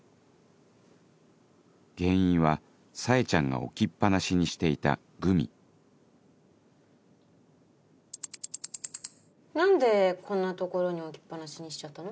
原因はサエちゃんが置きっ放しにしていたグミ何でこんな所に置きっ放しにしちゃったの？